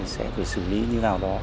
sẽ phải xử lý như nào đó